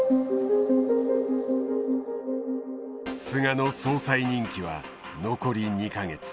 菅の総裁任期は残り２か月。